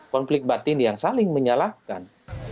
konflik batin yang saling menyalahkan